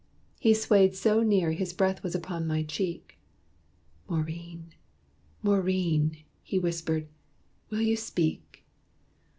He swayed so near his breath was on my cheek. "Maurine, Maurine," he whispered, "will you speak?"